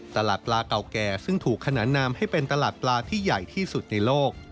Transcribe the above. ตลาดปลาเก่าแก่ซึ่งถูกขนานนามให้เป็นตลาดปลาที่ใหญ่ที่สุดในโลก